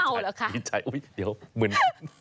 ช้างเฝ่าหรือคะมีใจอุ๊ยเดี๋ยวเหมือน